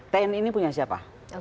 tni ini punya siapa